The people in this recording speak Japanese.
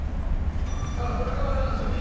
これがあれなんですよね？